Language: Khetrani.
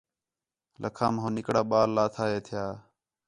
لکھام ہو نِکڑا ٻال لاتھا ہِے تھیا